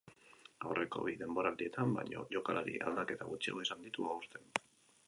Aurreko bi denboraldietan baino jokalari aldaketa gutxiago izan ditu aurten.